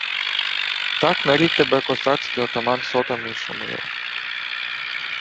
— Так нарік тебе косацький отаман сотенний Шумило...